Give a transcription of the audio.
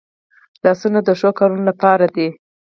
لاسونه د ښو کارونو لپاره دي